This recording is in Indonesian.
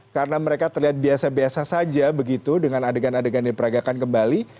karena mereka terlihat biasa biasa saja begitu dengan adegan adegan yang diperagakan kembali